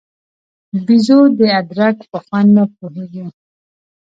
بېزو د ادرک په خوند نه پوهېږي.